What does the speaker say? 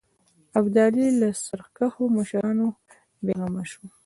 ابدالي له سرکښو مشرانو بېغمه شو.